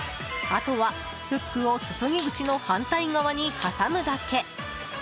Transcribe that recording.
あとは、フックを注ぎ口の反対側に挟むだけ。